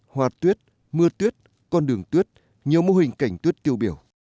hòa tuyết mưa tuyết con đường tuyết nhiều mô hình cảnh tuyết tiêu biểu